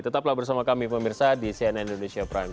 tetaplah bersama kami pemirsa di cnn indonesia prime news